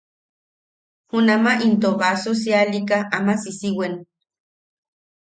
Junama into baso sialika ama sissiwen.